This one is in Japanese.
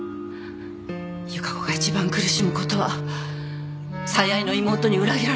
由加子が一番苦しむことは最愛の妹に裏切られること。